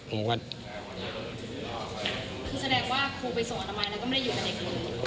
ผมก็คือแสดงว่าครูไปส่งอัตมาแล้วก็ไม่ได้อยู่กับเด็กเลย